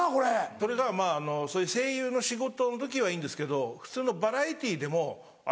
それがそういう声優の仕事の時はいいんですけど普通のバラエティーでもあれ？